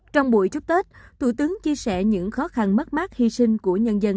trong buổi chúc tết thủ tướng chia sẻ những khó khăn mất mát hy sinh của nhân dân